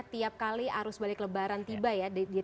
tiap kali arus balik lebaran tiba ya